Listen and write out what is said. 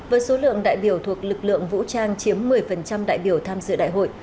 với số lượng đại biểu thuộc lực lượng vũ trang chiếm một mươi đại biểu tham dự đại hội